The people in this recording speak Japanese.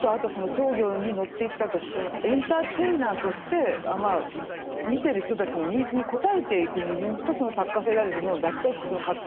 商業に乗っていった時そのエンターテイナーとしてまあ見てる人たちのニーズに応えていく自分とその作家性である自分を出したいというその葛藤っていうのは。